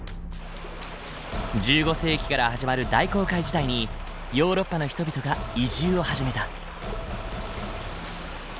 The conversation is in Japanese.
１５世紀から始まる大航海時代にヨーロッパの人々が移住を始めた。